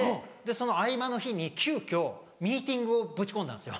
その合間の日に急きょミーティングをぶち込んだんです。